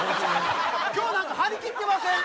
今日なんか張り切ってません？